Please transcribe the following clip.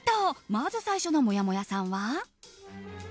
まず最初のもやもやさんは。